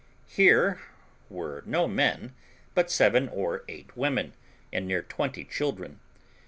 Here were no men, but seven or eight women, and near twenty children.